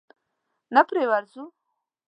نه پرې ورځو؟